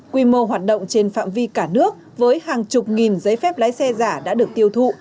quy mô hoạt động trên phạm vi cả nước với hàng chục nghìn giấy phép lái xe giả đã được tiêu thụ